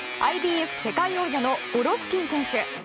ＩＢＦ世界王者のゴロフキン選手。